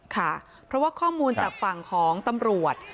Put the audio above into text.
ค่ะเพราะว่าข้อมูลจากฝั่งของตำรวจ